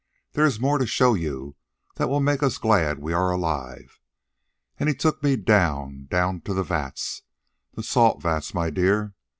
'There is more to show you that will make us glad we are alive.' And he took me down, down to the vats. The salt vats, my dear.